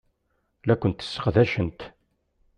La kent-sseqdacent.